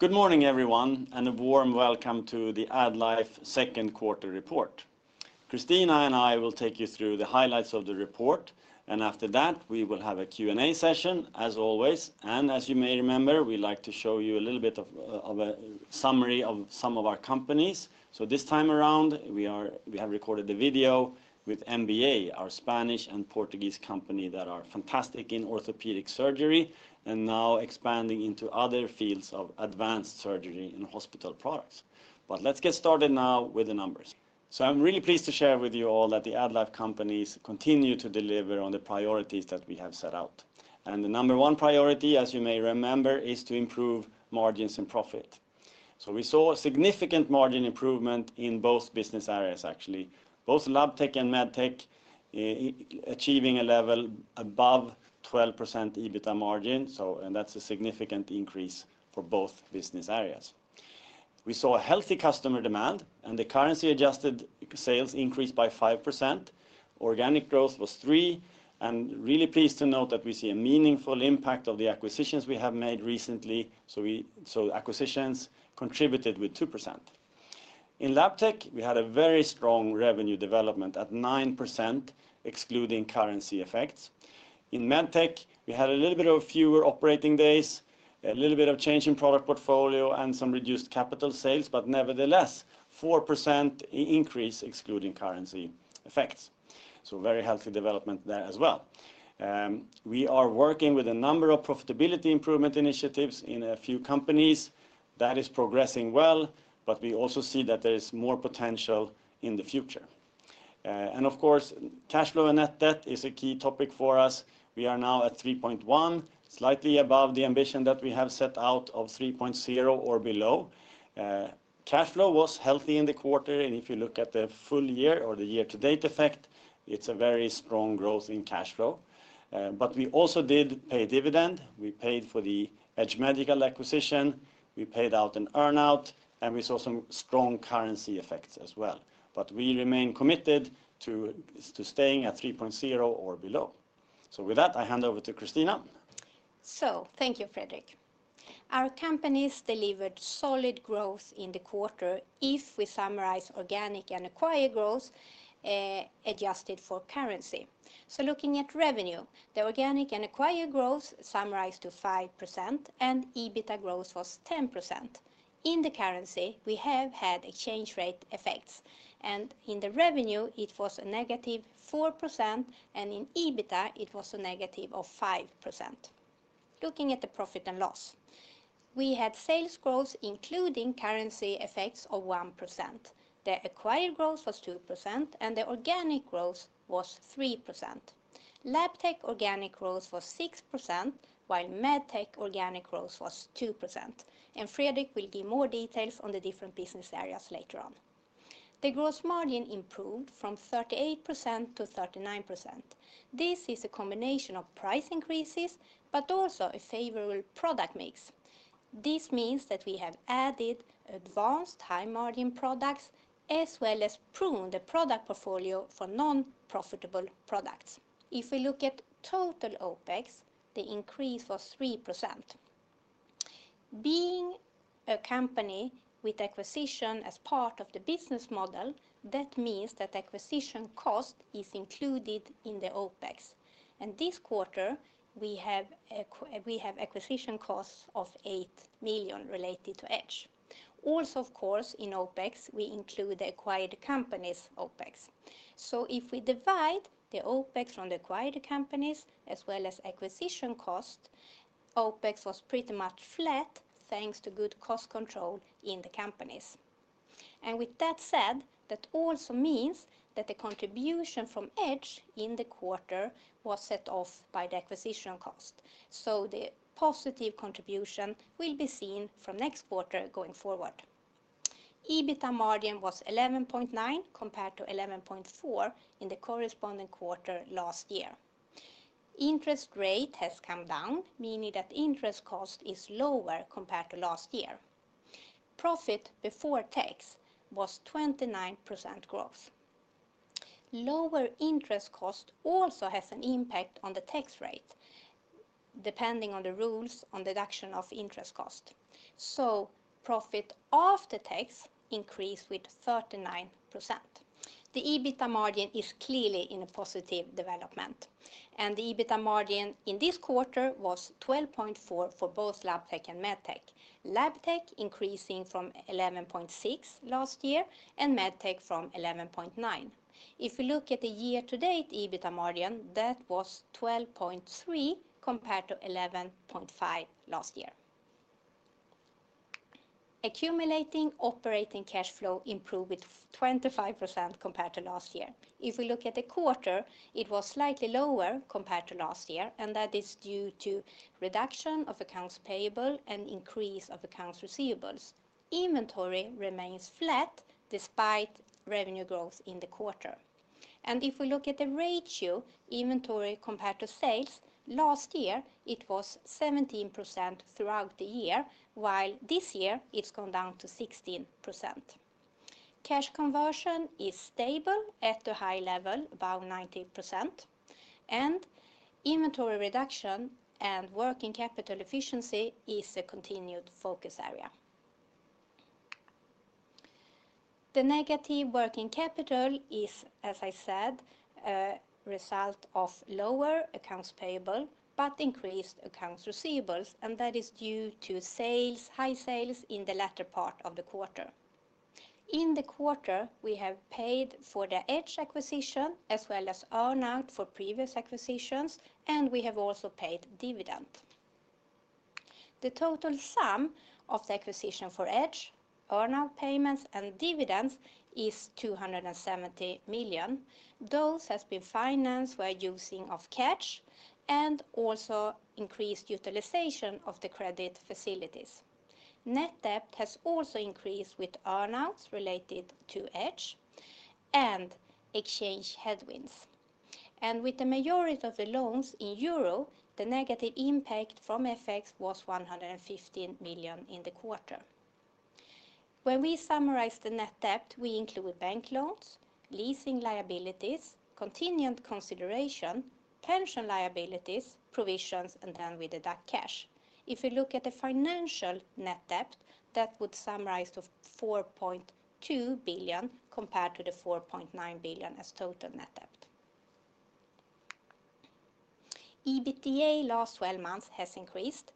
Good morning, everyone, and a warm welcome to the Ad Life second quarter report. Kristina and I will take you through the highlights of the report. And after that, we will have a Q and A session, as always. And as you may remember, we like to show you a little bit of a summary of some of our companies. So this time around, we are we have recorded the video with MBA, our Spanish and Portuguese company that are fantastic in orthopedic surgery and now expanding into other fields of advanced surgery and hospital products. But let's get started now with the numbers. So I'm really pleased to share with you all that the Ad Life companies continue to deliver on the priorities that we have set out. And the number one priority, as you may remember, is to improve margins and profit. So we saw a significant margin improvement in both business areas actually, both Labtech and Medtech achieving a level above 12% EBITA margin, so and that's a significant increase for both business areas. We saw a healthy customer demand, and the currency adjusted sales increased by 5%. Organic growth was 3%. And really pleased to note that we see a meaningful impact of the acquisitions we have made recently, so acquisitions contributed with 2%. In Labtech, we had a very strong revenue development at 9%, excluding currency effects. In Medtech, we had a little bit of fewer operating days, a little bit of change in product portfolio and some reduced capital sales, but nevertheless, 4% increase excluding currency effects. So very healthy development there as well. We are working with a number of profitability improvement initiatives in a few companies. That is progressing well, but we also see that there is more potential in the future. And of course, cash flow and net debt is a key topic for us. We are now at €3,100,000,000 slightly above the ambition that we have set out of 3,000,000,000 or below. Cash flow was healthy in the quarter. And if you look at the full year or the year to date effect, it's a very strong growth in cash flow. But we also did pay dividend. We paid for the Edge Medical acquisition. We paid out an earn out, and we saw some strong currency effects as well. But we remain committed to staying at three point zero or below. So with that, I hand over to Kristina. So thank you, Fredrik. Our companies delivered solid growth in the quarter if we summarize organic and acquired growth adjusted for currency. So looking at revenue, the organic and acquired growth summarized to 5% and EBITDA growth was 10%. In the currency, we have had exchange rate effects. And in the revenue, it was negative 4% and in EBITDA it was negative 5%. Looking at the profit and loss. We had sales growth including currency effects of 1%. The acquired growth was 2% and the organic growth was 3%. Labtech organic growth was 6%, while Medtech organic growth was 2%. And Fredrik will give more details on the different business areas later on. The gross margin improved from 38 to 39%. This is a combination of price increases, but also a favorable product mix. This means that we have added advanced high margin products as well as pruned the product portfolio for non profitable products. If we look at total OpEx, the increase was three percent. Being a company with acquisition as part of the business model, that means that acquisition cost is included in the OpEx. And this quarter, we have acquisition costs of 8,000,000 related to Edge. Also, of course, in OpEx, we include acquired companies' OpEx. So if we divide the OpEx from the acquired companies as well as acquisition costs, OpEx was pretty much flat, thanks to good cost control in the companies. And with that said, that also means that the contribution from EDGE in the quarter was set off by the acquisition cost. So the positive contribution will be seen from next quarter going forward. EBITDA margin was 11.9% compared to 11.4 in the corresponding quarter last year. Interest rate has come down, meaning that interest cost is lower compared to last year. Profit before tax was 29% growth. Lower interest cost also has an impact on the tax rate, depending on the rules on deduction of interest cost. So profit after tax increased with 39%. The EBITA margin is clearly in a positive development. And the EBITA margin in this quarter was 12.4% for both Labtech and Medtech Labtech increasing from 11.6% last year and Medtech from 11.9 If we look at the year to date EBITDA margin, that was 12.3% compared to 11.5% last year. Accumulating operating cash flow improved with 25 compared to last year. If we look at the quarter, it was slightly lower compared to last year and that is due to reduction of accounts payable and increase of accounts receivables. Inventory remains flat despite revenue growth in the quarter. And if we look at the ratio, inventory compared to sales, last year it was 17% throughout the year, while this year it's gone down to 16%. Cash conversion is stable at a high level, about 19%. And inventory reduction and working capital efficiency is a continued focus area. The negative working capital is, as I said, a result of lower accounts payable but increased accounts receivables, and that is due to sales high sales in the latter part of the quarter. In the quarter, we have paid for the Edge acquisition as well as earn out for previous acquisitions and we have also paid dividend. The total sum of the acquisition for Edge, earn out payments and dividends is million, those has been financed by using of Catch and also increased utilization of the credit facilities. Net debt has also increased with earn outs related to hedge and exchange headwinds. And with the majority of the loans in euro, the negative impact from FX was million in the quarter. When we summarize the net debt, we include bank loans, leasing liabilities, contingent consideration, pension liabilities, provisions and then we deduct cash. If we look at the financial net debt, that would summarize to 4,200,000,000.0 compared to the 4,900,000,000.0 as total net debt. EBITDA last twelve months has increased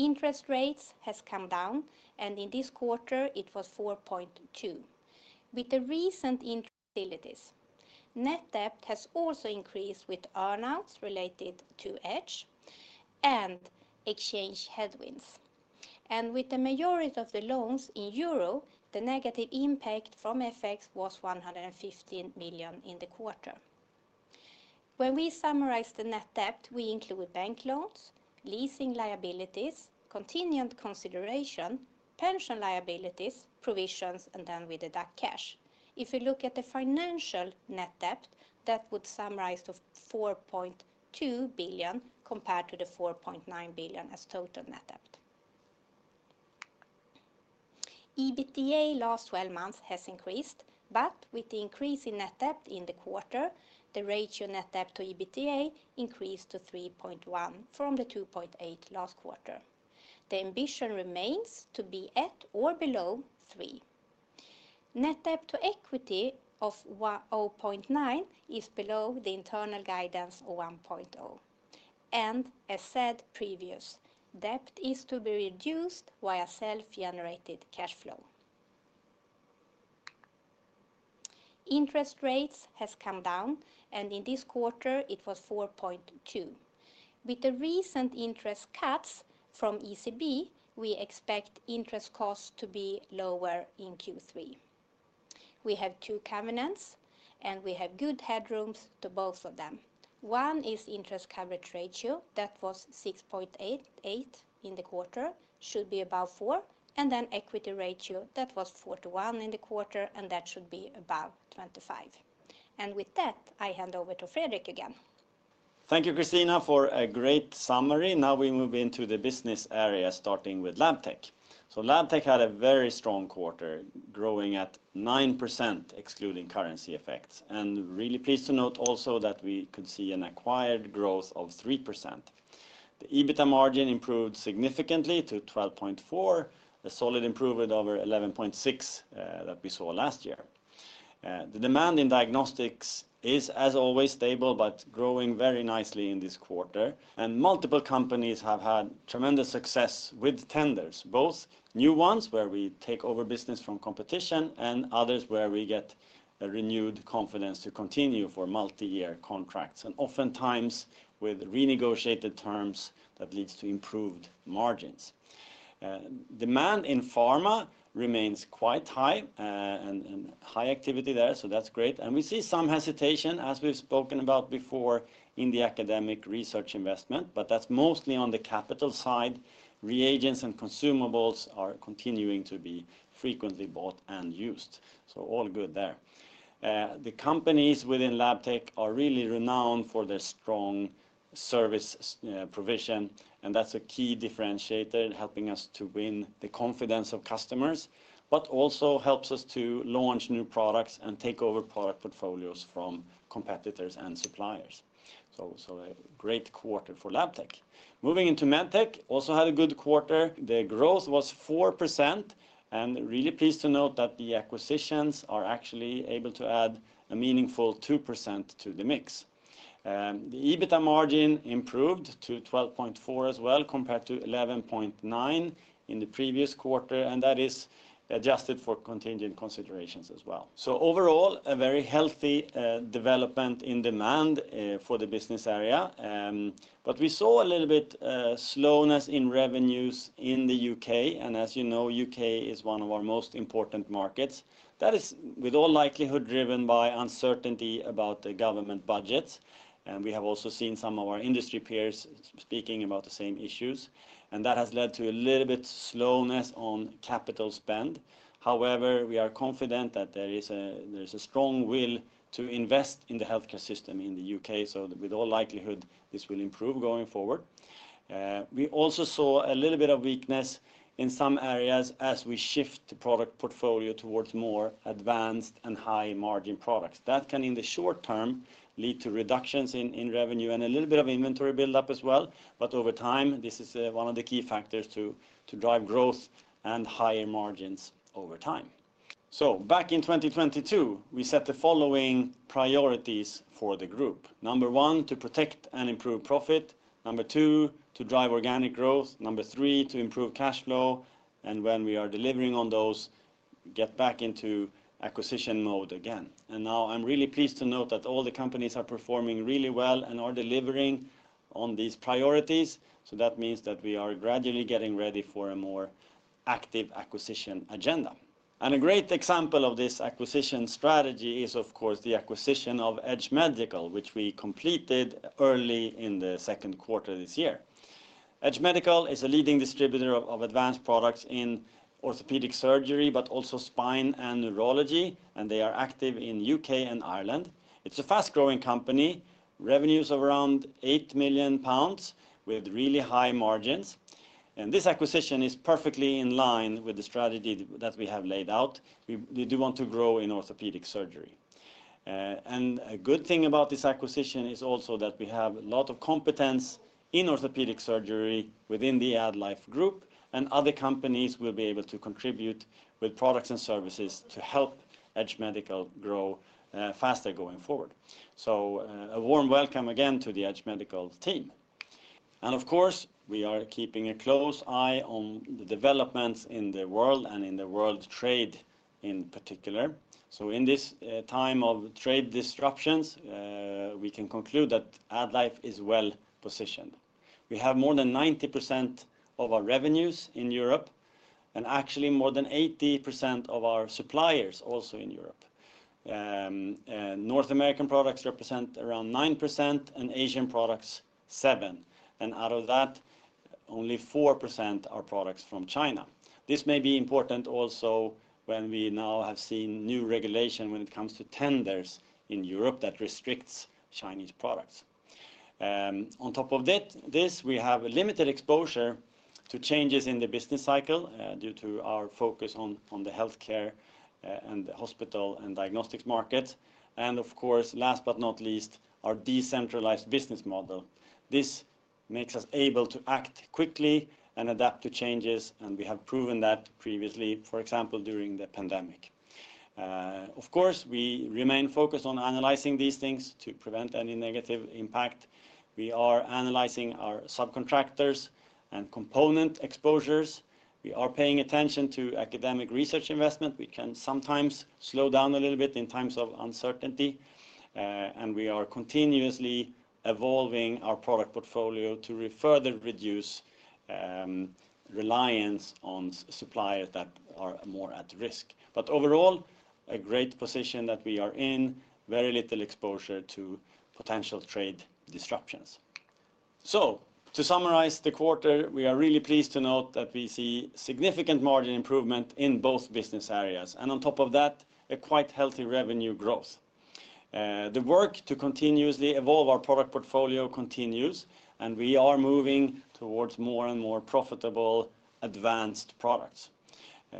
Interest rates has come down, and in this quarter, it was 4.2%, with the recent interest liabilities. Net debt has also increased with earn outs related to hedge and exchange headwinds. And with the majority of the loans in euro, the negative impact from FX was 115,000,000 in the quarter. When we summarize the net debt, we include bank loans, leasing liabilities, contingent consideration, pension liabilities, provisions and then we deduct cash. If we look at the financial net debt, that would summarize to billion compared to the 4.9 billion as total net debt. EBITDA last twelve months has increased, but with the increase in net debt in the quarter, the ratio net debt to EBITDA increased to 3.1 from the 2.8 last quarter. The ambition remains to be at or below three. Net debt to equity of 0.9 is below the internal guidance of one point zero. And as said previous, debt is to be reduced via self generated cash flow. Interest rates has come down, and in this quarter it was 4.2. With the recent interest cuts from ECB, we expect interest costs to be lower in Q3. We have two covenants, and we have good headroom to both of them. One is interest coverage ratio that was 6.8 in the quarter, should be above four and then equity ratio that was four:one in the quarter, and that should be above 25. And with that, I hand over to Fredrik again. Thank you, Kristina, for a great summary. Now we move into the business area, starting with Labtech. So Labtech had a very strong quarter, growing at 9%, excluding currency effects. And really pleased to note also that we could see an acquired growth of 3%. The EBITA margin improved significantly to 12.4%, a solid improvement over 11.6% that we saw last year. The demand in Diagnostics is, as always, stable but growing very nicely in this quarter. And multiple companies have had tremendous success with tenders, both new ones where we take over business from competition and others where we get a renewed confidence to continue for multiyear contracts and oftentimes with renegotiated terms that leads to improved margins. Demand in pharma remains quite high and high activity there, so that's great. And we see some hesitation, as we've spoken about before, in the academic research investment, but that's mostly on the capital side. Reagents and consumables are continuing to be frequently bought and used. So all good there. The companies within Labtech are really renowned for their strong service provision, and that's a key differentiator in helping us to win the confidence of customers, but also helps us to launch new products and take over product portfolios from competitors and suppliers. So a great quarter for Labtech. Moving into Medtech, also had a good quarter. The growth was 4%, and really pleased to note that the acquisitions are actually able to add a meaningful 2% to the mix. The EBITA margin improved to 12.4 as well compared to 11.9% in the previous quarter, and that is adjusted for contingent considerations as well. So overall, a very healthy development in demand for the business area. But we saw a little bit slowness in revenues in The UK. And as you know, UK is one of our most important markets. That is, with all likelihood, driven by uncertainty about the government budgets. And we have also seen some of our industry peers speaking about the same issues. And that has led to a little bit slowness on capital spend. However, we are confident that there is a strong will to invest in the health care system in The UK. So with all likelihood, this will improve going forward. We also saw a little bit of weakness in some areas as we shift the product portfolio towards more advanced and high margin products. That can, in the short term, lead to reductions in revenue and a little bit of inventory buildup as well. But over time, this is one of the key factors to drive growth and higher margins over time. So back in 2022, we set the following priorities for the group: number one, to protect and improve profit number two, to drive organic growth number three, to improve cash flow. And when we are delivering on those, get back into acquisition mode again. And now I'm really pleased to note that all the companies are performing really well and are delivering on these priorities. So that means that we are gradually getting ready for a more active acquisition agenda. And a great example of this acquisition strategy is, of course, the acquisition of Edge Medical, which we completed early in the second quarter this year. Edge Medical is a leading distributor of advanced products in orthopedic surgery, but also spine and neurology, and they are active in UK and Ireland. It's a fast growing company, revenues of around 8,000,000 pounds with really high margins. And this acquisition is perfectly in line with the strategy that we have laid out. We do want to grow in orthopedic surgery. And a good thing about this acquisition is also that we have a lot of competence in orthopedic surgery within the AdLife Group, and other companies will be able to contribute with products and services to help Edge Medical grow faster going forward. So a warm welcome again to the Edge Medical team. And of course, we are keeping a close eye on the developments in the world and in the world trade in particular. So in this time of trade disruptions, we can conclude that Ad Life is well positioned. We have more than 90% of our revenues in Europe and actually more than 80% of our suppliers also in Europe. North American products represent around 9% and Asian products, 7%. And out of that, only 4% are products from China. This may be important also when we now have seen new regulation when it comes to tenders in Europe that restricts Chinese products. On top of this, we have a limited exposure to changes in the business cycle due to our focus on the health care and hospital and diagnostics market. And of course, last but not least, our decentralized business model. This makes us able to act quickly and adapt to changes, and we have proven that previously, for example, during the pandemic. Of course, we remain focused on analyzing these things to prevent any negative impact. We are analyzing our subcontractors and component exposures. We are paying attention to academic research investment. We can sometimes slow down a little bit in times of uncertainty. And we are continuously evolving our product portfolio to further reduce reliance on suppliers that are more at risk. But overall, a great position that we are in, very little exposure to potential trade disruptions. So to summarize the quarter, we are really pleased to note that we see significant margin improvement in both business areas, and on top of that, a quite healthy revenue growth. The work to continuously evolve our product portfolio continues, and we are moving towards more and more profitable advanced products.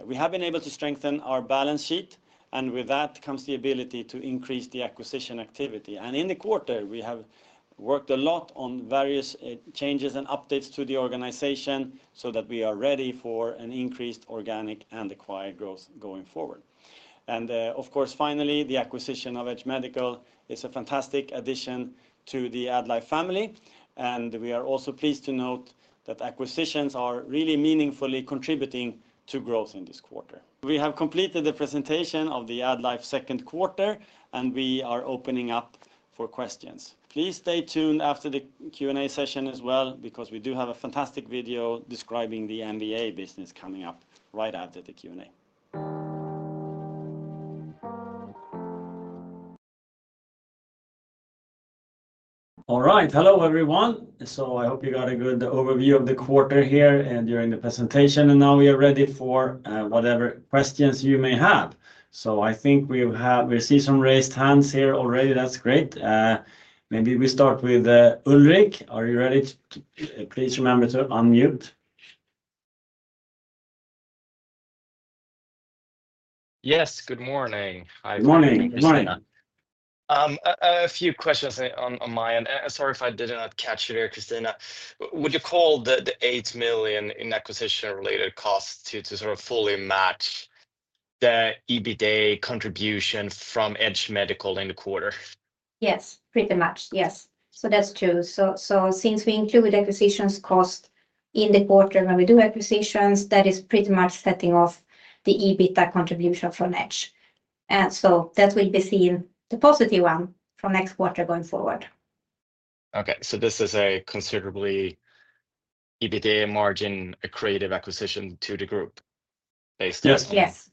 We have been able to strengthen our balance sheet. And with that comes the ability to increase the acquisition activity. And in the quarter, we have worked a lot on various changes and updates to the organization so that we are ready for an increased organic and acquired growth going forward. And of course, finally, the acquisition of Edge Medical is a fantastic addition to the Ad Life family, and we are also pleased to note that acquisitions are really meaningfully contributing to growth in this quarter. We have completed the presentation of the Ad Life second quarter, and we are opening up for questions. Please stay tuned after the Q and A session as well because we do have a fantastic video describing the MBA business coming up right after the Q and A. Alright. Hello, everyone. So I hope you got a good overview of the quarter here and during the presentation. And now we are ready for, whatever questions you may have. So I think we have we see some raised hands here already. That's great. Maybe we start with, Ulrik. Are you ready? Remember to unmute. Yes. Good morning. Hi, Christian. Good morning. Few questions on on my end. Sorry if I did not catch you there, Christina. Would you call the the 8,000,000 in acquisition related cost to to sort of fully match the EBITDA contribution from Edge Medical in the quarter? Yes. Pretty much. Yes. So that's true. So so since we include acquisitions cost in the quarter when we do acquisitions, that is pretty much setting off the EBITDA contribution from Edge. And so that will be seen, the positive one, from next quarter going forward. Okay. So this is a considerably EBITDA margin accretive acquisition to the group based on Yes.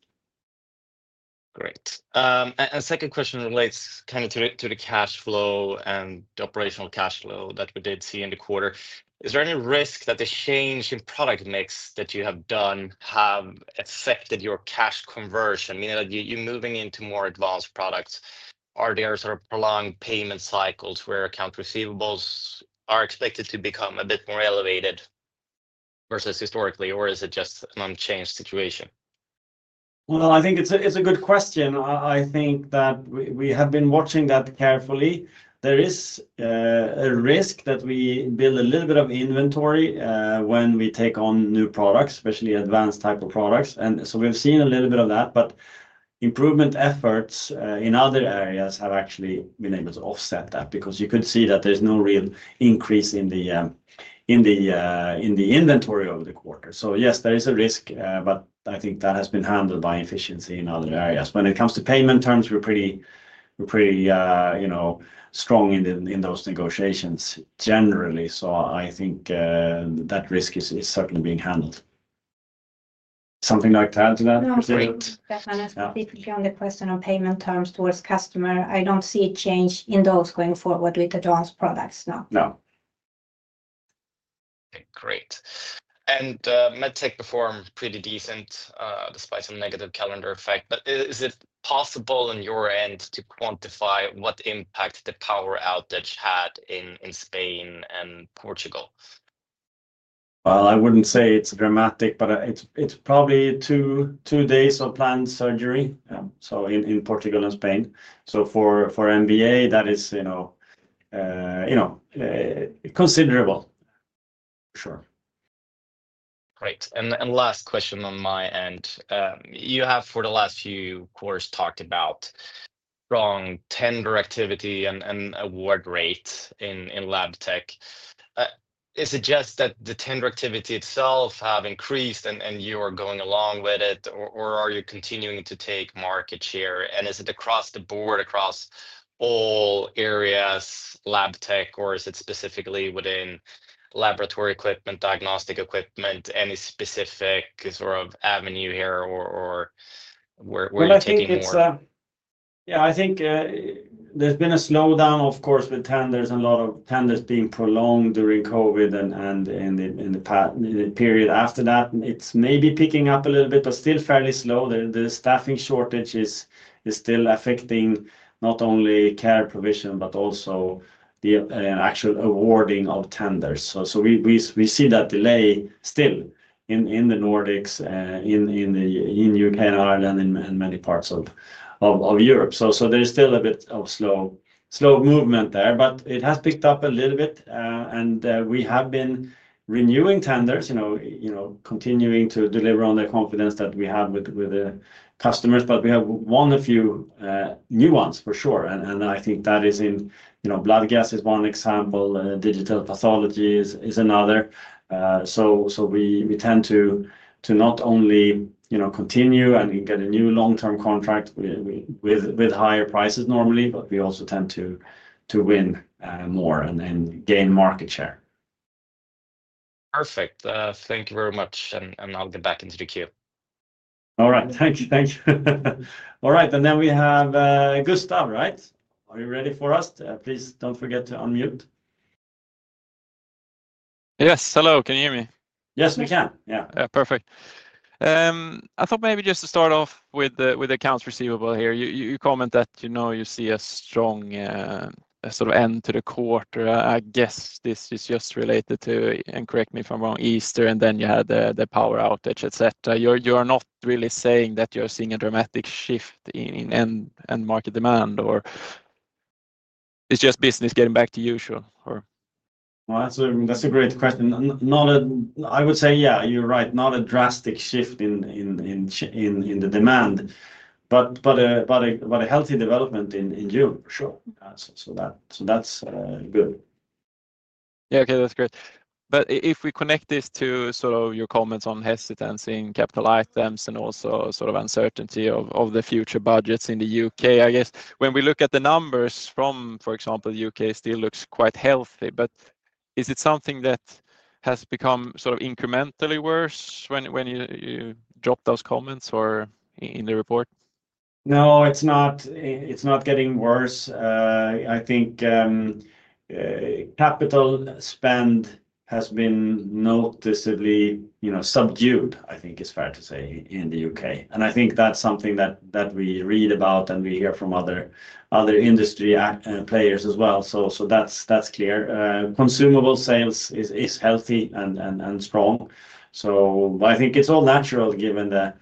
Great. And second question relates kinda to to the cash flow and the operational cash flow that we did see in the quarter. Is there any risk that the change in product mix that you have done have affected your cash conversion? I you're into more advanced products. Are there sort of prolonged payment cycles where account receivables are expected to become a bit more elevated versus historically, or is it just an unchanged situation? Well, I think it's a it's a good question. I think that we we have been watching that carefully. There is a risk that we build a little bit of inventory when we take on new products, especially advanced type of products. And so we've seen a little bit of that, but improvement efforts in other areas have actually been able to offset that because you could see that there's no real increase in the in the in the inventory over the quarter. So, yes, there is a risk, but I think that has been handled by efficiency in other areas. When it comes to payment terms, we're pretty we're pretty, you know, strong in in those negotiations generally. So I think, that risk is is certainly being handled. Something I'd to add to that? No. I'm sorry. Definitely on the question on payment terms towards customer, I don't see a change in those going forward with advanced products. No. No. K. Great. And MedTech performed pretty decent despite some negative calendar effect. But is it possible on your end to quantify what impact the power outage had in in Spain and Portugal? Well, I wouldn't say it's dramatic, but it's it's probably two two days of planned surgery, so in in Portugal and Spain. So for for MBA, that is, you know, you know, considerable. Sure. Great. And and last question on my end. You have, for the last few course, talked about wrong tender activity and and award rates in in lab tech. Is it just that the tender activity itself have increased and and you are going along with it, or or are you continuing to take market share? And is it across the board, across all areas, lab tech, or is it specifically within laboratory equipment, diagnostic equipment? Any specific sort of avenue here, or or where where are you taking more? Yeah. I think, there's been a slowdown, of course, with tenders and a lot of tenders being prolonged during COVID and and and in in the period after that. It's maybe picking up a little bit, but still fairly slow. The the staffing shortage is is still affecting not only care provision, but also the actual awarding of tenders. So so we we we see that delay still in in The Nordics, in in The in UK and Ireland and and many parts of of of Europe. So so there's still a bit of slow slow movement there, but it has picked up a little bit. And, we have been renewing tenders, you know you know, continuing to deliver on the confidence that we have with with the customers, but we have one of few, new ones for sure. And and I think that is in know, you blood gas is one example. Digital pathology is is another. So so we we tend to to not only, you know, continue and get a new long term contract with with with higher prices normally, but we also tend to to win, more and then gain market share. Perfect. Thank you very much, and and I'll get back into the queue. Alright. Thank you. Thanks. Alright. And then we have, Gustav, right? Are you ready for us? Please don't forget to unmute. Yes. Hello. Can you hear me? Yes, we can. Yes. Perfect. I thought maybe just to start off with accounts receivable here. You comment that you see a strong sort of end to the quarter. I guess this is just related to, and correct me if I'm wrong, Easter, and then you had the power outage, etcetera. You are not really saying that you're seeing a dramatic shift in end market demand? Or it's just business getting back to usual? Well, that's a that's a great question. Not a I would say, yeah, you're right. Not a drastic shift in in in the demand, but but a a healthy development in in Europe. Sure. So that so that's good. Yeah. Okay. That's great. But if connect this to sort of your comments on hesitancy, capital items and also sort of uncertainty of of the future budgets in The UK, I guess, When we look at the numbers from, for example, UK, still looks quite healthy. But is it something that has become sort of incrementally worse when you drop those comments or in the report? No. It's not it's not getting worse. I think, capital spend has been noticeably, you know, subdued, I think it's fair to say, The UK. And I think that's something that that we read about and we hear from other other industry act players as well. So so that's that's clear. Consumable sales is is healthy and and and strong. So but I think it's all natural given the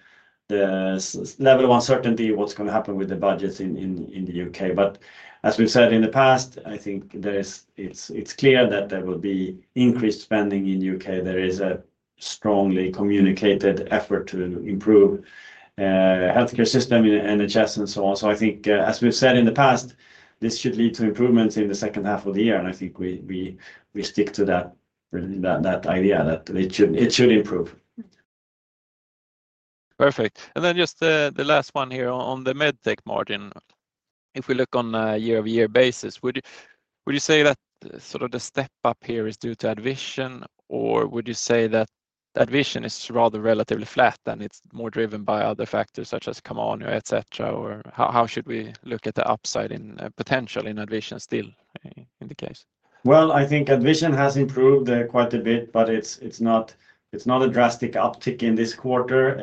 the level of uncertainty what's gonna happen with the budgets in in in The UK. But as we've said in the past, I think there is it's it's clear that there will be increased spending in UK. There is a strongly communicated effort to improve health care system and adjust and so on. So I think, as we've said in the past, this should lead to improvements in the second half of the year. And I think we we stick to that that idea that it should it should improve. Perfect. And then just the the last one here on the med tech margin. If we look on a year over year basis, would you would you say that sort of the step up here is due to AdVision? Or would you say that AdVision is rather relatively flat and it's more driven by other factors such as Kamanu, etcetera? Or how should we look at the upside in potential in AdVision still in the case? Well, I think AdVision has improved quite a bit, but it's not it's not a drastic uptick in this quarter.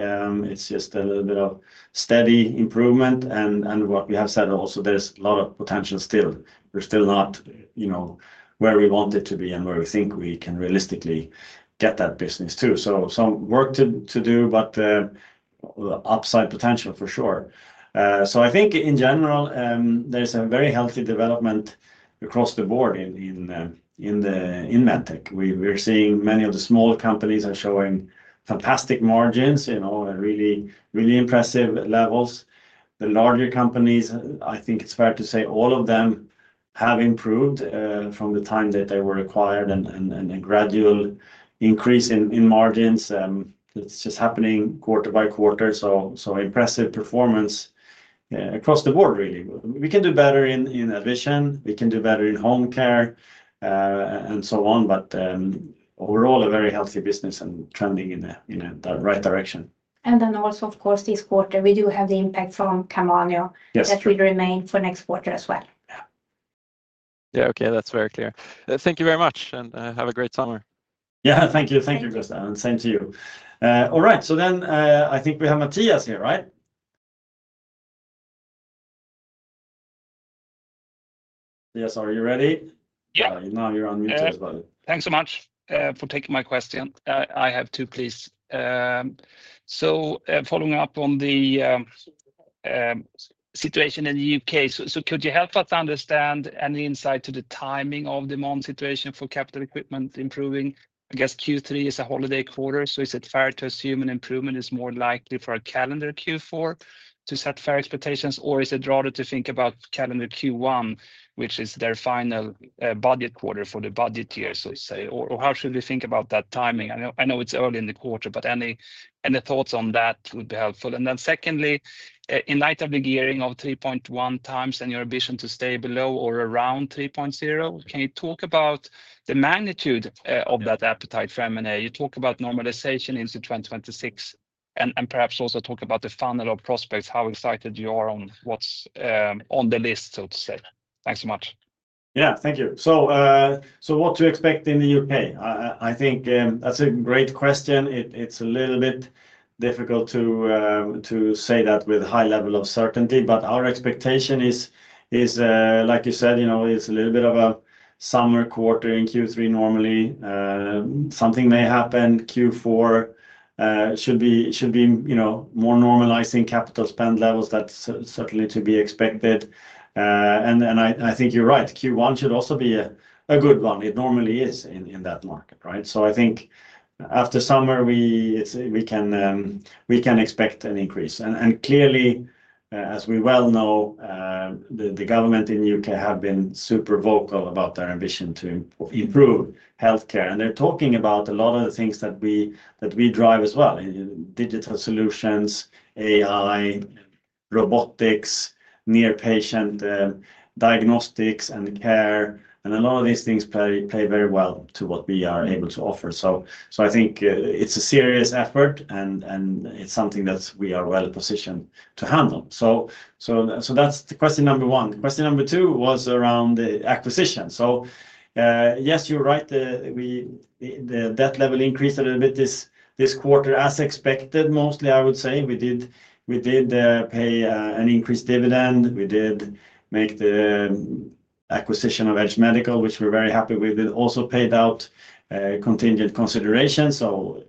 It's just a little bit of steady improvement. And and what we have said also, there's a lot of potential still. We're still not, you know, where we want it to be and where we think we can realistically get that business too. So some work to to do, but upside potential for sure. So I think, in general, there's a very healthy development across the board in in in the in MedTech. We we're seeing many of the smaller companies are showing fantastic margins, you know, at really, really impressive levels. The larger companies, I think it's fair to say all of them have improved, from the time that they were acquired and and and a gradual increase in in margins. It's just happening quarter by quarter. So so impressive performance across the board, really. We can do better in in addition. We can do better in home care and so on. But, overall, a very healthy business and trending in the in the right direction. And then also, of course, this quarter, we do have the impact from Camano that will remain for next quarter as well. Yeah. Okay. That's very clear. Thank you very much, and have a great summer. Yeah. Thank you. Thank you, Tristan, and same to you. Alright. So then I think we have Matthias here. Right? Yes. Are you ready? Yeah. Now you're on mute. So much, for taking my question. I have two, please. So following up on the situation in The U. K, so could you help us understand any insight to the timing of demand situation for capital equipment improving? I guess, Q3 is a holiday quarter. So is it fair to assume an improvement is more likely for a calendar Q4 to set fair expectations? Or is it rather to think about calendar Q1, which is their final budget quarter for the budget year, so to say? Or how should we think about that timing? I know it's early in the quarter, but any thoughts on that would be helpful. And then secondly, in light of the gearing of 3.1x and your ambition to stay below or around 3.0x, can you talk about the magnitude of that appetite for M and A? You talked about normalization into 2026 and and perhaps also talk about the funnel of prospects, how excited you are on what's, on the list, so to say. Thanks so much. Yeah. Thank you. So so what to expect in The UK? I I think, that's a great question. It it's a little bit difficult to, to say that with high level of certainty, but our expectation is is, like you said, you know, it's a little bit of a summer quarter in q three normally. Something may happen. Q four should be should be, you know, more normalizing capital spend levels. That's certainly to be expected. And and I I think you're right. Q one should also be a a good one. It normally is in in that market. Right? So I think after summer, we it's we can, we can expect an increase. And and clearly, as we well know, the the government in UK have been super vocal about their ambition to improve health care. And they're talking about a lot of the things that we that we drive as well in digital solutions, AI, robotics, near patient diagnostics and care. And a lot of these things play play very well to what we are able to offer. So so I think it's a serious effort, and and it's something that we are well positioned to handle. So so so that's the question number one. Question number two was around the acquisition. So, yes, you're right. We the debt level increased a little bit this this quarter as expected mostly, I would say. We did we did pay an increased dividend. We did make the acquisition of Edge Medical, which we're very happy with. We also paid out contingent consideration, so,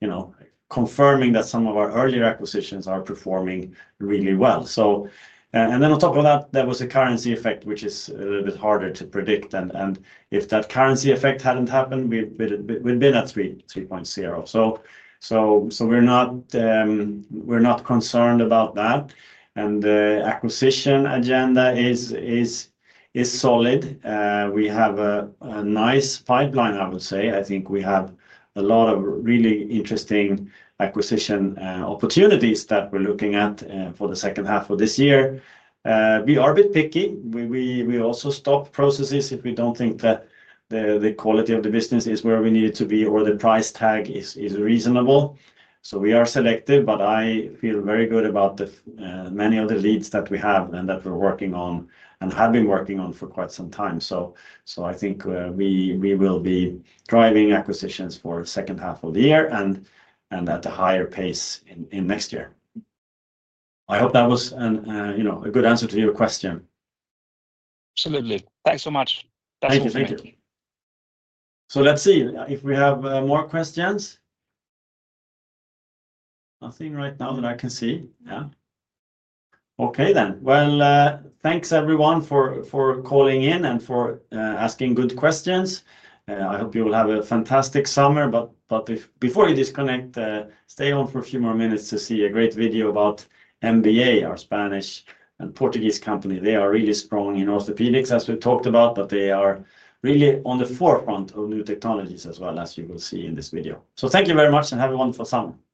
you know, confirming that some of our earlier acquisitions are performing really well. So and then on top of that, there was a currency effect, which is a little bit harder to predict. And and if that currency effect hadn't happened, we've we've at three three point zero. So so so we're not, we're not concerned about that. And the acquisition agenda is is is solid. We have a nice pipeline, I would say. I think we have a lot of really interesting acquisition opportunities that we're looking at for the second half of this year. We are a bit picky. We we we also stop processes if we don't think that the the quality of the business is where we need it to be or the price tag is is reasonable. So we are selective, but I feel very good about the many of the leads that we have and that we're working on and have been working on for quite some time. So so I think we we will be driving acquisitions for second half of the year and and at a higher pace in in next year. I hope that was an, you know, a good answer to your question. Absolutely. Thanks so much. Thank you. Thank you. So let's see if we have more questions. Nothing right now that I can see. Yeah. Okay then. Well, thanks everyone for for calling in and for asking good questions. I hope you will have a fantastic summer. But but before you disconnect, stay home for a few more minutes to see a great video about MBA, our Spanish and Portuguese company. They are really strong in orthopedics as we talked about, but they are really on the forefront of new technologies as well as you will see in this video. So thank you very much, and have a wonderful summer. Thank